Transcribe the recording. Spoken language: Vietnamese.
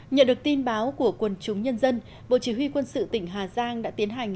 nhận được tin báo của quần chúng nhân dân bộ chỉ huy quân sự tỉnh hà giang đã tiến hành